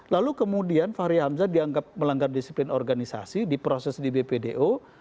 lalu kemudian fahri hamzah dianggap melanggar disiplin organisasi diproses di bpdo